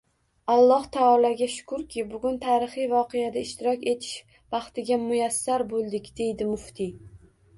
Alloh taologa shukrki, bugun tarixiy voqeada ishtirok etish baxtiga muyassar bo‘ldik, – deydi muftiy